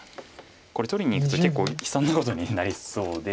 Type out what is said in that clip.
これ取りにいくと結構悲惨なことになりそうで。